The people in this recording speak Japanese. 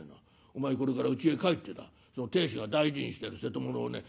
お前これからうちへ帰ってだ亭主が大事にしてる瀬戸物をね